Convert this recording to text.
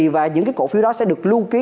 và những cổ phiếu đó sẽ được lưu ký